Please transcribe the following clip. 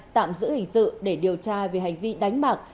tạm giữ hình sự để điều tra về hành vi đánh bạc